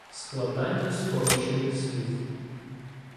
Складання скорочених слів